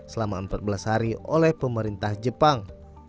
selama empat belas hari oleh pemerintah jepang